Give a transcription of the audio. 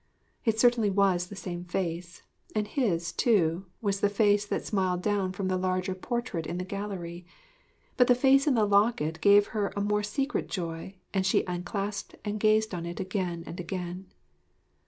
It certainly was the same face, and his, too, was the face that smiled down from the larger portrait in the gallery. But the face in the locket gave her a more secret joy and she unclasped and gazed on it again and again.